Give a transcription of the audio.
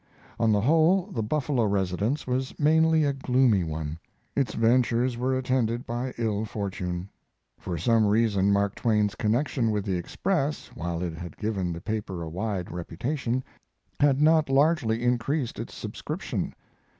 On the whole the Buffalo residence was mainly a gloomy one; its ventures were attended by ill fortune. For some reason Mark Twain's connection with the Express, while it had given the paper a wide reputation, had not largely increased its subscription.